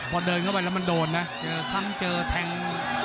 พอเดินเข้าไปแล้วมันโดนนะเจอทั้งเจอแทง